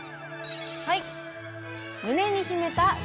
はい！